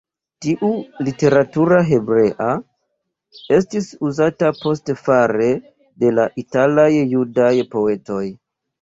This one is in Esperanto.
Tiu literatura hebrea estis uzata poste fare de la italaj judaj poetoj.